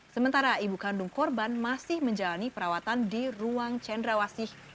sementara ibu kandung korban masih menjalani perawatan di ruang cendrawasih